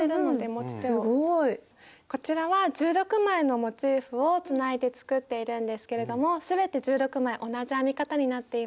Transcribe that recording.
こちらは１６枚のモチーフをつないで作っているんですけれども全て１６枚同じ編み方になっています。